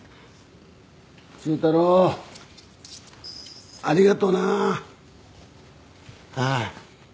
忠太郎ありがとうな。はあ。